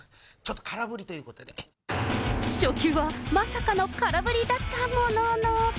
あっ、初球はまさかの空振りだったものの。